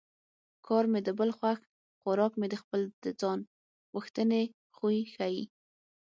کار مې د بل خوښ خوراک مې خپل د ځان غوښتنې خوی ښيي